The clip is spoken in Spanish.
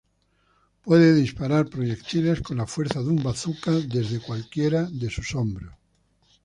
Puede disparar proyectiles con la fuerza de una bazuca desde cualquiera de sus hombros.